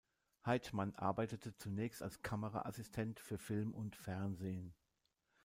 Heitmann arbeitete zunächst als Kamera-Assistent für Film und Fernsehen.